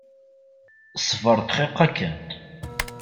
Sbeṛ dqiqa kan!